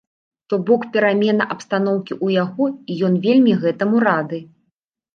То бок перамена абстаноўкі ў яго і ён вельмі гэтаму рады.